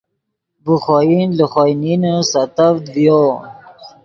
ڤے خوئن لے خوئے نینے سیتڤد ڤیو